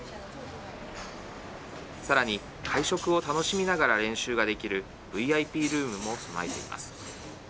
さらに会食を楽しみながら練習ができるＶＩＰルームも備えています。